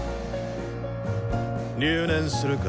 留年するか？